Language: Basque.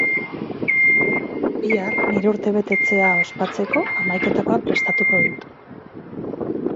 Bihar nire urtebetetzea ospatzeko hamaiketakoa prestatuko dut.